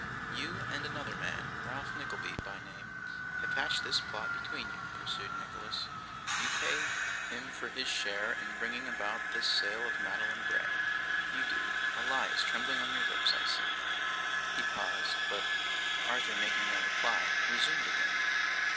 'You and another man, Ralph Nickleby by name, have hatched this plot between you,' pursued Nicholas. 'You pay him for his share in bringing about this sale of Madeline Bray. You do. A lie is trembling on your lips, I see.' He paused; but, Arthur making no reply, resumed again.